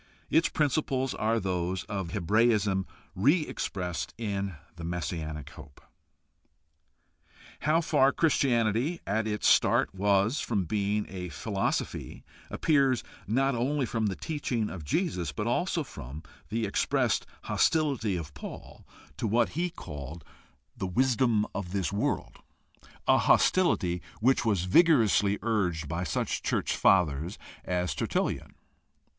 Its principles are those of Hebraism re expressed in the messianic hope. How far Christianity at its start was from being a phi losophy appears not only from the teaching of Jesus but also from the expressed hostihty of Paul to what he called "the THE HISTORICAL STUDY OF RELIGION 55 wisdom of this world," a hostility which was vigorously urged by such church Fathers as Tertullian.